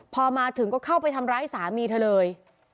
พอมาถึงก็เข้าไปทำร้ายสามีเธอเลย